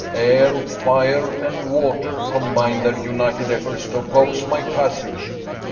Air, fire, and water combine their united efforts to oppose my passage.